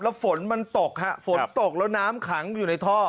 แล้วฝนมันตกฮะฝนตกแล้วน้ำขังอยู่ในท่อ